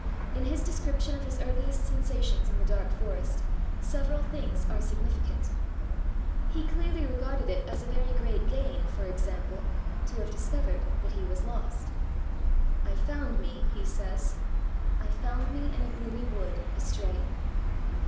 In his description of his earliest sensations in the dark forest, several things are significant. He clearly regarded it as a very great gain, for example, to have discovered that he was lost. 'I found me,' he says, 'I found me in a gloomy wood, astray.'